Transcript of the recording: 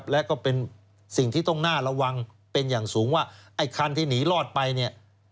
และก็เป็นสิ่งที่ต้องน่าระวังเป็นอย่างสูงว่าไอ้คันที่หนีรอดไปเนี่ย